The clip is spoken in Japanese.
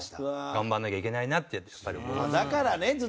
頑張んなきゃいけないなってやっぱり思いましたね。